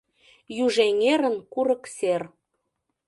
Южэҥерын курык сер.